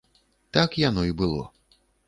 Так яно і было.